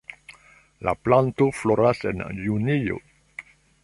La planto floras en junio.